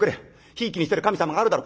ひいきにしてる神様があるだろ。